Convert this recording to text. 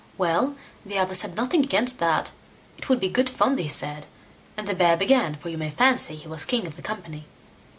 Well! the others had nothing against that. It would be good fun, they said, and the Bear began; for you may fancy he was king of the company.